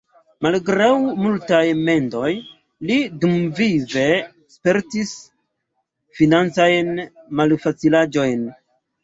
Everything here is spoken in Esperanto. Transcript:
Malgraŭ multaj mendoj li dumvive spertis financajn malfacilaĵojn.